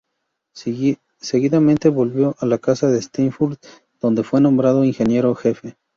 Seguidamente volvió a la casa Steinfurt, donde fue nombrado ingeniero-jefe.